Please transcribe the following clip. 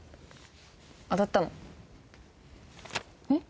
当たったのえっ？